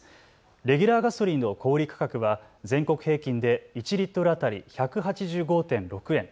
レギュラーガソリンの小売価格は全国平均で１リットル当たり１８５．６円。